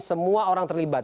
semua orang terlibat